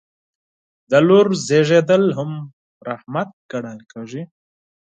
د لور زیږیدل هم رحمت ګڼل کیږي.